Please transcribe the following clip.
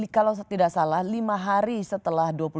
kalau tidak salah lima hari setelah